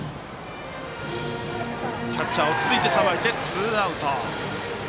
キャッチャー落ち着いてさばいてツーアウト。